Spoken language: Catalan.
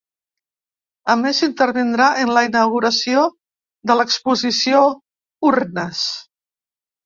A més, intervindrà en la inauguració de l’exposició Urnes.